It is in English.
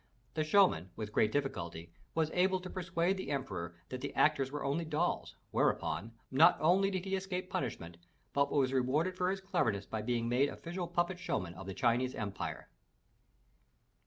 The show man with great difficulty was able to persuade the emperor that the actors were only dolls, whereupon, not only did he escape punishment, but was rewarded for his cleverness by being made official puppet show man of the Chinese Empire.